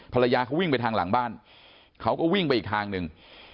ภรรยาเขาวิ่งไปทางหลังบ้านเขาก็วิ่งไปอีกทางหนึ่ง